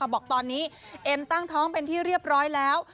บอกตอนนี้เอ็มตั้งท้องเป็นที่เรียบร้อยแล้ว